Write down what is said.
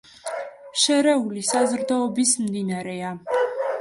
შერეული საზრდოობის მდინარეა.